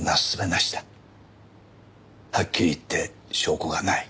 はっきり言って証拠がない。